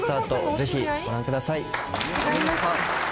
ぜひご覧ください